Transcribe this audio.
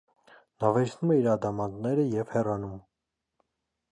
Նա վերցնում է իր ադամանդները և հեռանում։